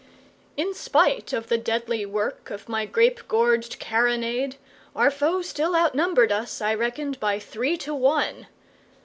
In spite of the deadly work of my grape gorged carronade, our foe still outnumbered us, I reckoned, by three to one.